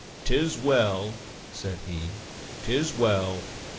"'Tis well!" said he, "'tis well!